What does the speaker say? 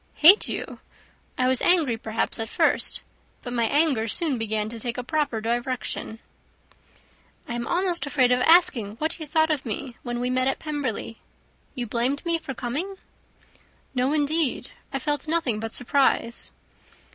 "Hate you! I was angry, perhaps, at first, but my anger soon began to take a proper direction." "I am almost afraid of asking what you thought of me when we met at Pemberley. You blamed me for coming?" "No, indeed, I felt nothing but surprise."